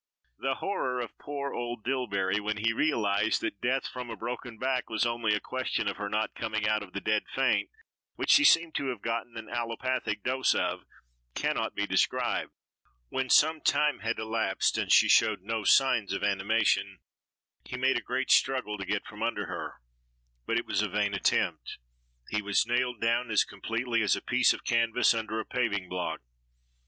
The horror of poor old Dillbery, when he realized that death from a broken back was only a question of her not coming out of the dead faint, which she seemed to have gotten an allopathic dose of, cannot be described. When some time had elapsed and she showed no signs of animation, he made a great struggle to get from under her; but it was a vain attempt, he was nailed down as completely as a piece of canvas under a paving block.